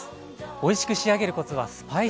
おいしく仕上げるコツはスパイス使い。